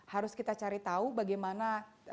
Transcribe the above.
harus kita cari tahu bagaimana